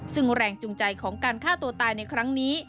ซึ่งแรงจูงใจของการฆ่าตัวตายในครั้งนี้